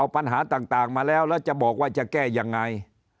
ปัญหาต่างมาแล้วแล้วจะบอกว่าจะแก้ยังไง